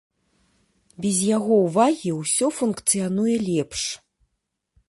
Без яго ўвагі ўсё функцыянуе лепш.